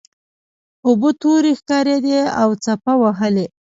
اوبه تورې ښکاریدې او څپه وهلې.